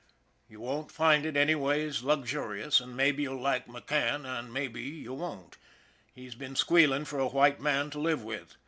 You won't find it anyways luxurious, and maybe you'll like Mc Cann and maybe you won't he's been squealing for a white man to live with.